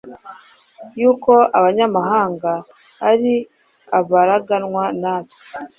yuko abanyamahanga ari abaraganwa natwe,